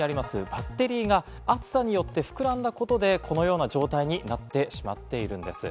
バッテリーが暑さによって膨らんだことで、このような状態になってしまっているんです。